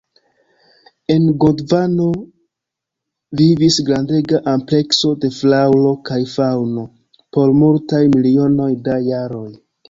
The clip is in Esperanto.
En Gondvano vivis grandega amplekso da flaŭro kaj faŭno por multaj milionoj da jaroj.